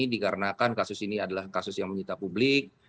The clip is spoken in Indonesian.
dikarenakan kasus ini adalah kasus yang menyita publik